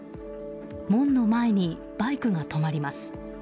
門の前にバイクが止まります。